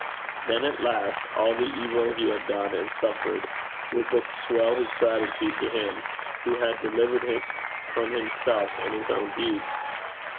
Then at last, all the evil he had done and suffered would but swell his gratitude to Him who had delivered him from himself and his own deeds.